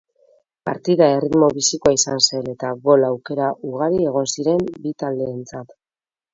Partida erritmo bizikoa izan zen eta gol aukera ugari egon ziren bi taldeentzat.